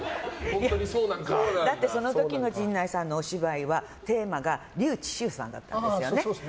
だってその時の陣内さんのお芝居はテーマが笠智衆さんだったんですよね。